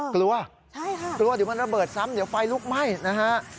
กลัวกลัวเดี๋ยวมันระเบิดซ้ำเดี๋ยวไฟลุกไหม้นะฮะใช่ค่ะ